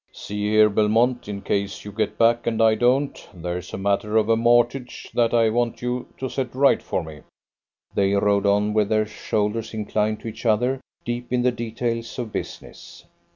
See here, Belmont, in case you get back and I don't, there's a matter of a mortgage that I want you to set right for me." They rode on with their shoulders inclined to each other, deep in the details of business.